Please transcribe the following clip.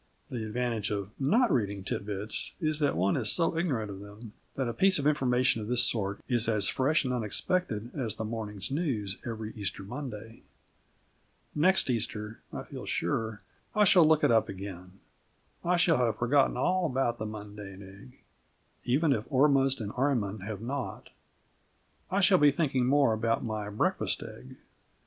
The advantage of not reading Tit Bits is that one is so ignorant of them that a piece of information of this sort is as fresh and unexpected as the morning's news every Easter Monday. Next Easter, I feel sure, I shall look it up again. I shall have forgotten all about the mundane egg, even if Ormuzd and Ahriman have not. I shall be thinking more about my breakfast egg.